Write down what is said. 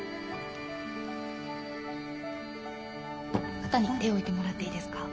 肩に手置いてもらっていいですか？